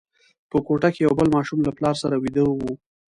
په کوټه کې یو بل ماشوم له پلار سره ویده وو.